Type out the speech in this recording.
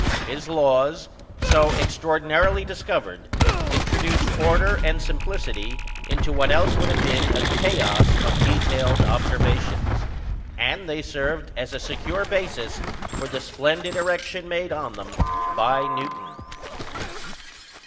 His laws, so extraordinarily discovered, introduced order and simplicity into what else would have been a chaos of detailed observations; and they served as a secure basis for the splendid erection made on them by Newton.